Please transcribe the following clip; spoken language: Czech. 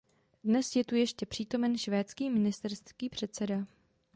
Dnes je tu ještě přítomen švédský ministerský předseda.